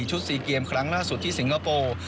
๔เกมครั้งล่าสุดที่สิงคโปร์